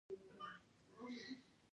دې ترانې د هغه د پلار مخالفت پای ته ورساوه